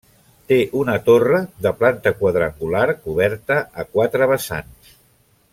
Té una torre, de planta quadrangular coberta a quatre vessants.